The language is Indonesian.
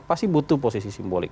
pasti butuh posisi simbolik